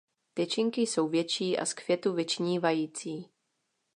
Tyčinky jsou větší a z květu vyčnívající.